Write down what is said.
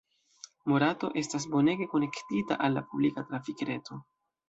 Morato estas bonege konektita al la publika trafikreto.